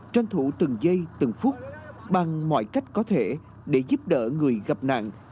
tranh thủ từng giây từng phút bằng mọi cách có thể để giúp đỡ người gặp nạn